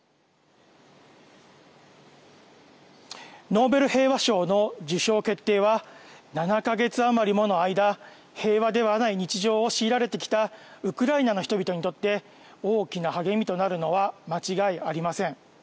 ノーベル平和賞の受賞決定は７か月余りもの間平和ではない日常を強いられてきたウクライナの人々にとって大きな励みとなるのは間違いありません。